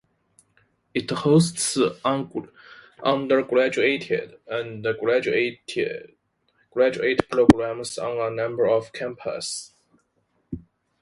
It hosts undergraduate and graduate programs on a number of campuses.